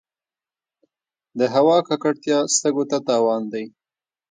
د هوا ککړتیا سږو ته تاوان دی.